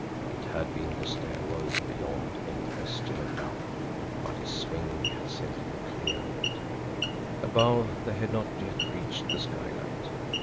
It had been the stair well beyond any question of doubt, but his swing had sent him clear of it. Above, they had not yet reached the skylight.